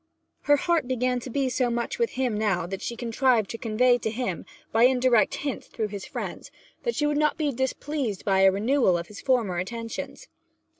Her heart began to be so much with him now that she contrived to convey to him, by indirect hints through his friends, that she would not be displeased by a renewal of his former attentions.